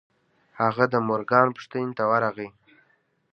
هغه د مورګان پوښتنې ته ورغی.